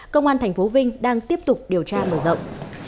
công an thành phố vinh đang tiếp tục điều tra mở rộng